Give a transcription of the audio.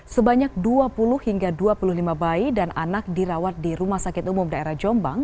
sebanyak dua puluh hingga dua puluh lima bayi dan anak dirawat di rumah sakit umum daerah jombang